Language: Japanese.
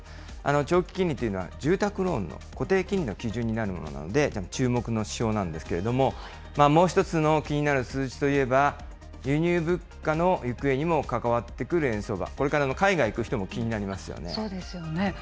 長期金利というのは、住宅ローンの固定金利の基準になるものなので注目の指標なんですけれども、もう１つの気になる数字といえば、輸入物価の行方にも関わってくる円相場、これから海外行く人も気そうですよね。